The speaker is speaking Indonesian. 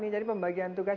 jadi pembagian tugas